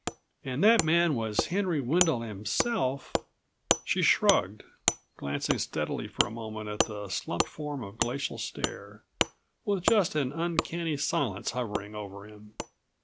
and that man was Henry Wendel himself " She shrugged, glancing steadily for a moment at the slumped form of Glacial Stare, with just an uncanny silence hovering over him.